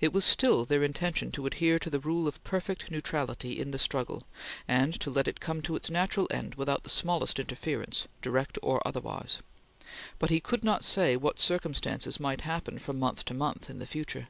It was still their intention to adhere to the rule of perfect neutrality in the struggle, and to let it come to its natural end without the smallest interference, direct or otherwise. But he could not say what circumstances might happen from month to month in the future.